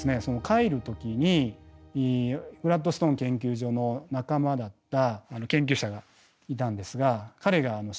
帰る時にグラッドストーン研究所の仲間だった研究者がいたんですが彼が伸弥今度